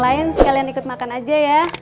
baiklah kalian ikut makan aja ya